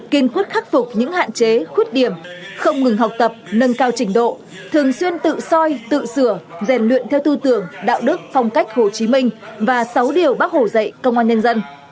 kiên quyết khắc phục những hạn chế khuyết điểm không ngừng học tập nâng cao trình độ thường xuyên tự soi tự sửa rèn luyện theo tư tưởng đạo đức phong cách hồ chí minh và sáu điều bác hồ dạy công an nhân dân